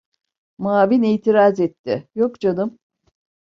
Muavin itiraz etti: "Yok canım…"